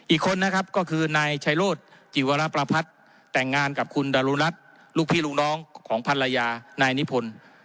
อีกคนนะครับก็คือนายชัยโรธจิวรประพัฒน์แต่งงานกับคุณดารุรัฐลูกพี่ลูกน้องของภรรยานายนิพนธ์